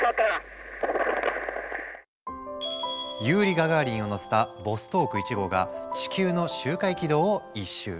ユーリイ・ガガーリンを乗せたボストーク１号が地球の周回軌道を一周。